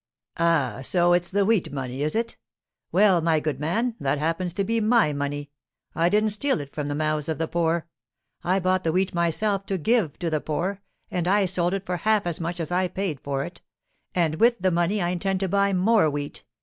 'Ah! So it's the wheat money, is it? Well, my good man, that happens to be my money. I didn't steal it from the mouths of the poor. I bought the wheat myself to give to the poor, and I sold it for half as much as I paid for it; and with the money I intend to buy more wheat.